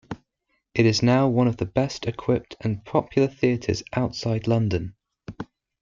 It is now one of the best equipped and popular theatres outside London.